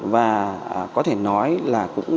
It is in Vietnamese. và có thể nói là cũng